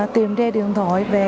tìm ra điện thoại về